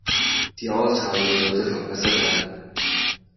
Die Ausgabe sollte verbessert werden.